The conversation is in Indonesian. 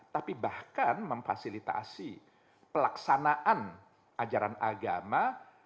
tapi bahkan memfasilitasi pelaksanaan ajaran agama